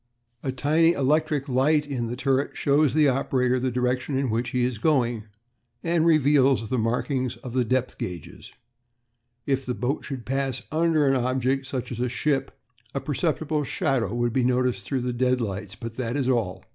A tiny electric light in the turret shows the operator the direction in which he is going, and reveals the markings on the depth gauges. If the boat should pass under an object, such as a ship, a perceptible shadow would be noticed through the deadlights, but that is all.